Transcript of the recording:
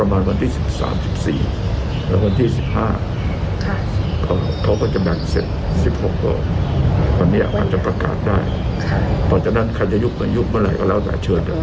วันนี้อาจจะประกาศได้ตอนนั้นใครจะยุบมายุบเมื่อไหร่ก็แล้วแต่เชิญ